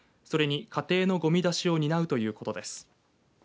それに、家庭のごみ出しを担うということです。